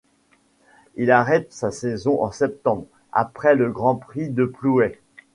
Il arrête sa saison en septembre, après le Grand Prix de Plouay.